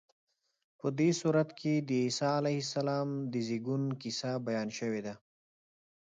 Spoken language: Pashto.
په دې سورت کې د عیسی علیه السلام د زېږون کیسه بیان شوې ده.